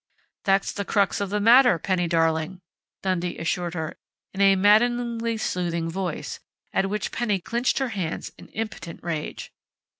"That's the crux of the matter, Penny darling!" Dundee assured her in a maddeningly soothing voice, at which Penny clinched her hands in impotent rage.